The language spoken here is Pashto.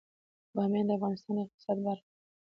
بامیان د افغانستان د اقتصاد برخه ده.